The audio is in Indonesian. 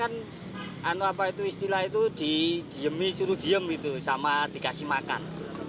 penangannya kan istilah itu didiemi suruh diem gitu sama dikasih makan